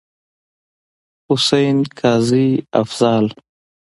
حسين، قاضي افضال.